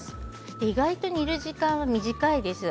意外と煮る時間は短いです。